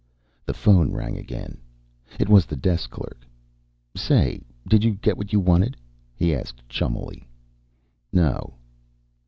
The phone rang again. It was the desk clerk. "Say, did you get what you wanted?" he asked chummily. "No."